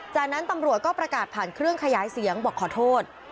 จากนั้นตำรวจก็ประกาศผ่านเครื่องขยายเสียงบอกขอโทษ